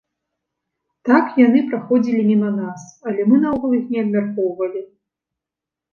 Так, яны праходзілі міма нас, але мы наогул іх не абмяркоўвалі.